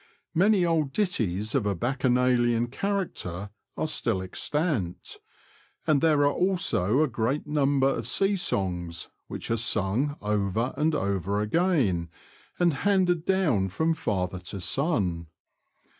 Many old ditties of a bacchanalian character are still extant, and there are also a great number of sea songs, which are sung over and over again, and handed down from father to son.